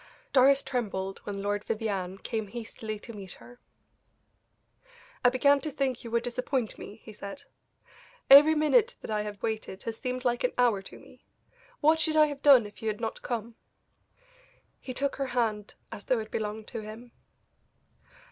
Doris trembled when Lord Vivianne came hastily to meet her. "I began to think you would disappoint me," he said; "every minute that I have waited has seemed like an hour to me. What should I have done if you had not come?" He took her hand as though it belonged to him.